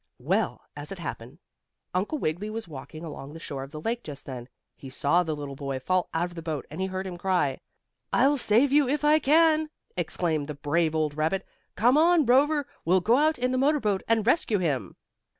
Well, as it happened, Uncle Wiggily was walking along the shore of the lake just then. He saw the little boy fall out of the boat, and he heard him cry. "I'll save you if I can!" exclaimed the brave old rabbit. "Come on, Rover, we'll go out in the motor boat and rescue him."